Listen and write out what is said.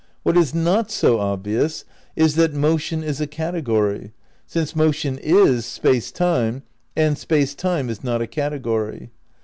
What is not so obvious is that motion is a category, since motion is Space Time and Space Time is not a category.